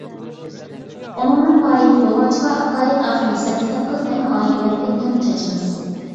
ئومۇمنىڭ پائالىيىتى بولغاچقا، پائالىيەت ئاخىرىدا ھېساب-كىتاب قىلىپ، ھەممە ئائىلىلەرگە تەڭ چاچىمىز.